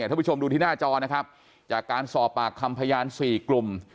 ท่านผู้ชมดูที่หน้าจอนะครับจากการสอบปากคำพยาน๔กลุ่ม